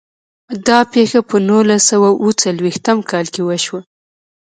دا پیښه په نولس سوه او اووه څلوېښتم کال کې وشوه.